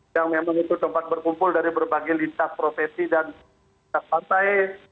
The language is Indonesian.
yang memang itu tempat berkumpul dari berbagai lintas profesi dan lintas partai